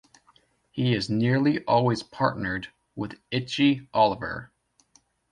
He is nearly always partnered with Itchy Oliver.